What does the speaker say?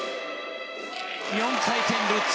４回転ルッツ！